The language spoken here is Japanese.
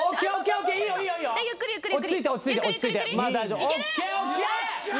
ＯＫＯＫ！